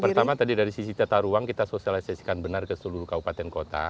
pertama tadi dari sisi tata ruang kita sosialisasikan benar ke seluruh kabupaten kota